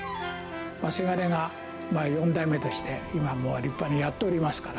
せがれが４代目として今もう、立派にやっておりますから。